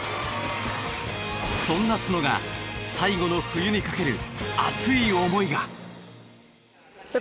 そんな都野が最後の冬にかける熱い思いが！